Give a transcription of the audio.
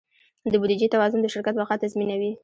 د بودیجې توازن د شرکت بقا تضمینوي.